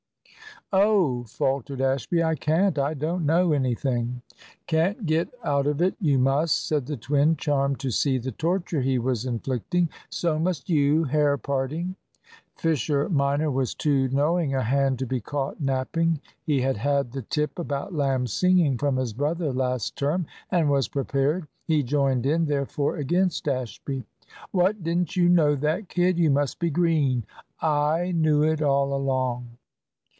"Oh," faltered Ashby, "I can't; I don't know anything." "Can't get out of it; you must," said the twin, charmed to see the torture he was inflicting. "So must you, Hair parting." Fisher minor was too knowing a hand to be caught napping. He had had the tip about lamb's singing from his brother last term, and was prepared. He joined in, therefore, against Ashby. "What, didn't you know that, kid? You must be green. I knew it all along."